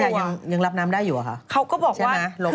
เจ้าพญายังรับน้ำได้อยู่เหรอค่ะใช่ไหมลงออกจากขนาดนี้